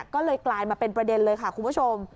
ก็เลยกลายมาเป็นประเด็นเลยค่ะคุณผู้ชม